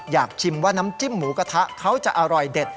ชิมว่าน้ำจิ้มหมูกระทะเขาจะอร่อยเด็ด